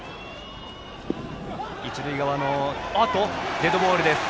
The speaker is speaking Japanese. デッドボールです。